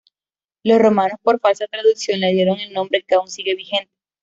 Los romanos, por falsa traducción, le dieron el nombre que aún sigue vigente.